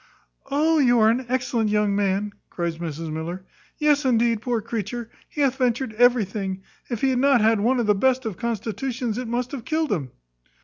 "Oh, you are an excellent young man," cries Mrs Miller: "Yes, indeed, poor creature! he hath ventured everything. If he had not had one of the best of constitutions, it must have killed him."